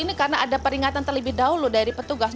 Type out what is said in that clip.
ini karena ada peringatan terlebih dahulu dari petugas